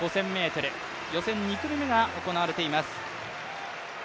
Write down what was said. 予選２組目が行われています。